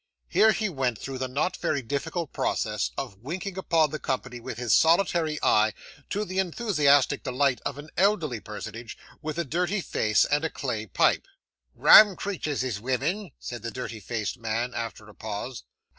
Here he went through the not very difficult process of winking upon the company with his solitary eye, to the enthusiastic delight of an elderly personage with a dirty face and a clay pipe. 'Rum creeters is women,' said the dirty faced man, after a pause.